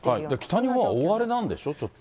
北日本は大荒れなんでしょ、ちょっと。